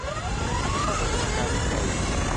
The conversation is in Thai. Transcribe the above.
ห้องปฏิบัติการวิจัย